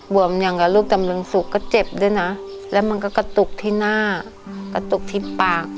วมอย่างกับลูกดำรงสุกก็เจ็บด้วยนะแล้วมันก็กระตุกที่หน้ากระตุกที่ปาก